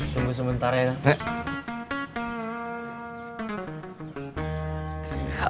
tunggu sebentar ya